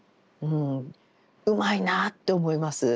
うまいなって思います。